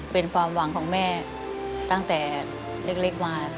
เป็นความหวังของแม่ตั้งแต่เล็กมา